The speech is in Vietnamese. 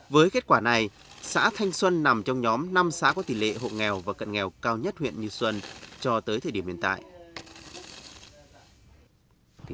với kết quả này xã thanh xuân nằm trong nhóm năm xã có tỷ lệ hộ nghèo và cận nghèo cao nhất huyện như xuân cho tới thời điểm hiện tại